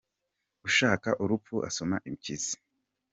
Ushaka urupfu asoma impyisi.